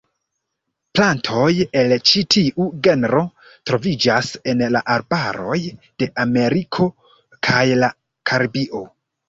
Plantoj el ĉi tiu genro troviĝas en la arbaroj de Ameriko kaj la Karibio.